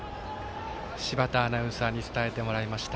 柴田アナウンサーに伝えてもらいました。